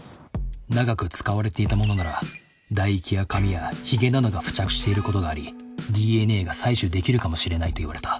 長く使われていたものなら唾液や髪やひげなどが付着していることがありＤＮＡが採取できるかもしれないと言われた。